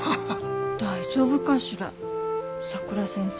大丈夫かしらさくら先生。